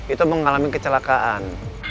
itu mengalami kecelakaan